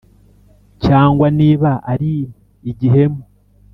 Cyangwa niba ari igihemu